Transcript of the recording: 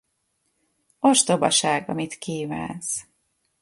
Ostobaság, amit kívánsz.